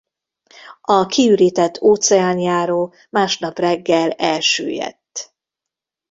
A kiürített óceánjáró másnap reggel elsüllyedt.